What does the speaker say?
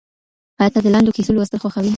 ایا ته د لنډو کیسو لوستل خوښوې؟